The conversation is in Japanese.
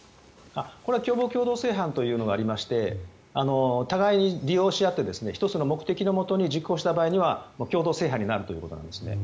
これは共謀共同正犯というのがありまして互いに利用し合って１つの目的のもとに実行した場合には共同正犯になるということなんですね。